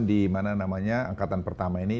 di mana namanya angkatan pertama ini